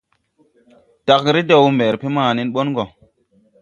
Tag redew mberbe ma nen bon go.